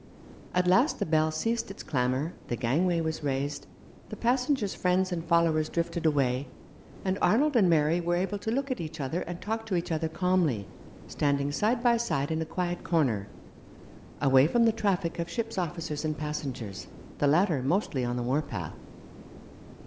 At last the bell ceased its clamour, the gangway was raised, the passengers' friends and followers drifted away, and Arnold and Mary were able to look at each other and talk to each other calmly, standing side by side in a quiet corner, away from the traffic of ship's officers and passengers, the latter mostly on the war path.